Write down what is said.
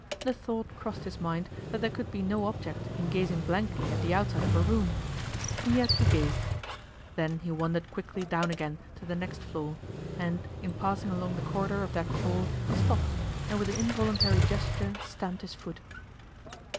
The thought crossed his mind that there could be no object in gazing blankly at the outside of a room; yet he gazed; then he wandered quickly down again to the next floor, and in passing along the corridor of that floor he stopped, and with an involuntary gesture stamped his foot.